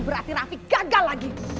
berarti rafi gagal lagi